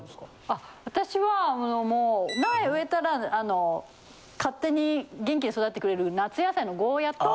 あ私はもう苗植えたら勝手に元気に育ってくれる夏野菜のゴーヤと。